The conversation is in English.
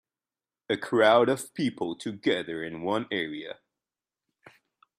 A crowd of people together in one area.